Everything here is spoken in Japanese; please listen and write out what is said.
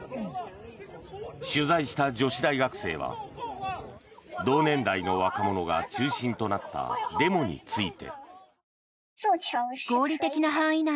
取材した女子大学生は同年代の若者が中心となったデモについて。